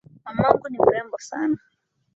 Mamangu ni mrembo sana.